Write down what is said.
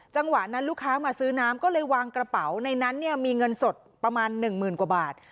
จังหวะนั้นลูกค้ามาซื้อน้ำก็เลยวางกระเป๋าในนั้นเนี่ยมีเงินสดประมาณหนึ่งหมื่นกว่าบาท